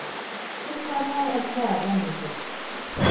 prescribe many absurd remedies.